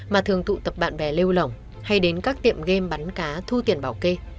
mà thường tụ tập bạn bè lêu lỏng hay đến các tiệm game bắn cá thu tiền bảo kê